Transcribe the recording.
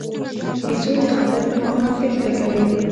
بیزو د خطر پر مهال تېښته کوي.